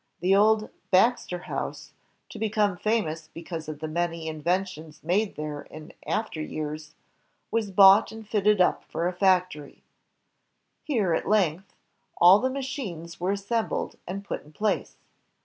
The old "Baxter House," to become famous be cause of the many inventions made there in after years, was bought and fitted up for a factory. Here, at length, all the machines were assembled and put in place.